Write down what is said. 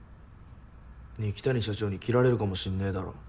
二木谷社長に切られるかもしんねぇだろ